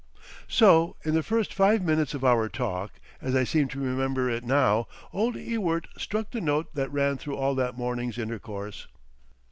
So in the first five minutes of our talk, as I seem to remember it now, old Ewart struck the note that ran through all that morning's intercourse....